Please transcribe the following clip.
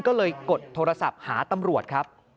ก็เลยกดโทรศัพท์หาตำรวจครับ